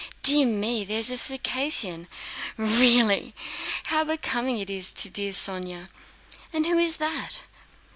Dear me, there's a Circassian. Really, how becoming it is to dear Sónya. And who is that?